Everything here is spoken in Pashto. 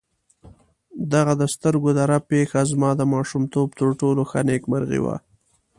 دغه د سترګو د رپ پېښه زما د ماشومتوب تر ټولو ښه نېکمرغي وه.